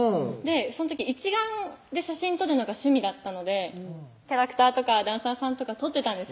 その時一眼で写真撮るのが趣味だったのでキャラクターとかダンサーさんとか撮ってたんです